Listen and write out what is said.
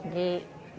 ini juga bayar